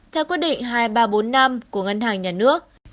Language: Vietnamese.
theo quyết định hai nghìn ba trăm bốn mươi năm của ngân hàng nhà nước